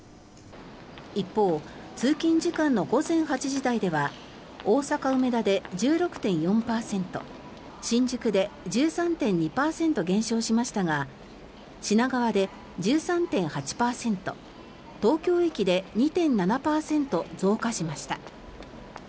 一方、通勤時間の午前８時台では大阪・梅田で１６．４％新宿で１３．２％減少しましたが品川で１３．８％東京駅で２．７％増加しました。